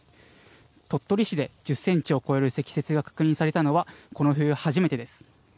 鳥取市で１０センチを超える積雪が確認されたのはこの冬初めてです。